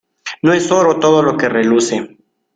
No es oro todo lo que reluce.